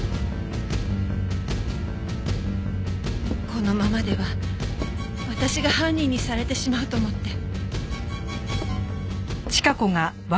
このままでは私が犯人にされてしまうと思って。